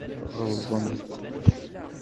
Tɣelḍemt.